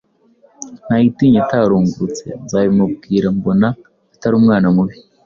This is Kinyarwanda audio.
Ntayitinya itarungurutse nzabimubwira mbona atari umwana mubi.